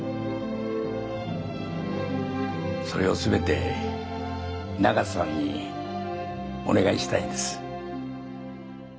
それを全て永瀬さんにお願いしたいんです。